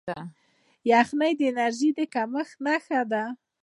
یخني د انرژۍ د کمښت نښه ده.